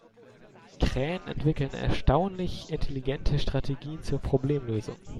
Krähen entwickeln erstaunlich intelligente Strategien zur Problemlösung.